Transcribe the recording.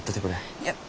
いや。